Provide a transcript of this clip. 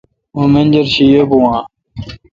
مہ منجر شی یی بون اہ؟